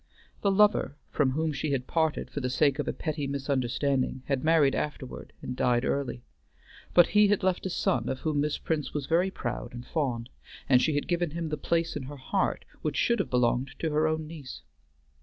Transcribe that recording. The lover from whom she had parted for the sake of a petty misunderstanding had married afterward and died early; but he had left a son of whom Miss Prince was very proud and fond; and she had given him the place in her heart which should have belonged to her own niece.